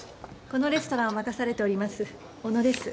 このレストランを任されております小野です。